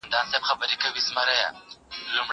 منډه د لوبغاړي له خوا وهل کيږي!